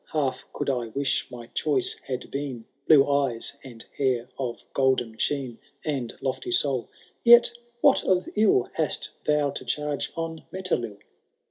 Half could I wish my choice had been Blue eyes, and hair of golden sheen, And lofty soul ;— yet what of ill Hast thou to charge on Metelill